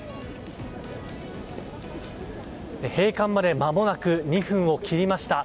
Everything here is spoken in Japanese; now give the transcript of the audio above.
閉館までまもなく２分を切りました。